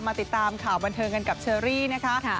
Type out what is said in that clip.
ติดตามข่าวบันเทิงกันกับเชอรี่นะคะ